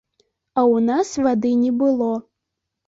А ў нас вады не было.